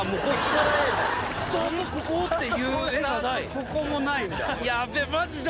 ここもないんだ。